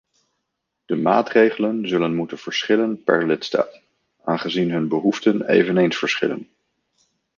De maatregelen zullen moeten verschillen per lidstaat, aangezien hun behoeften eveneens verschillen.